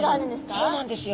そうなんですよ。